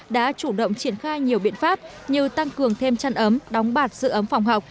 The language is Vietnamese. đã chủ động triển khai nhiều biện pháp như tăng cường thêm chăn ấm đóng bạt giữ ấm phòng học